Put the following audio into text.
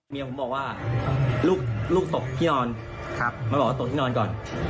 เมียผมบอกว่าลูกตกที่นอนมันบอกว่าตกที่นอนก่อน